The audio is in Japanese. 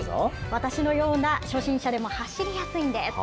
私のような初心者でも走りやすいんです。